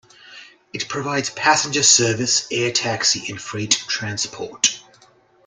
It provides passenger service, air taxi, and freight transport.